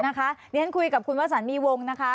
นะคะนี่ฮันคุยกับคุณว่าสามีวงนะคะ